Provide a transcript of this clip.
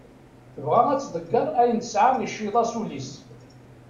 Tebɣa ad ḍegger ayen tesɛa iceggeḍ-as ul-is.